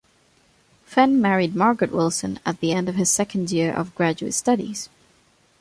Fenn married Margaret Wilson at the end of his second year of graduate studies.